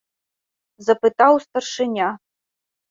- запытаў старшыня.